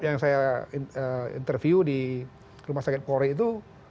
yang saya interview di rumah sakit polri itu